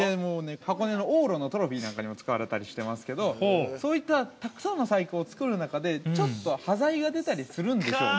◆箱根の往路のトロフィーなんかにも使われたりしてますけどそういった、たくさんの細工を作る中でちょっと端材が出たりするんしょうね。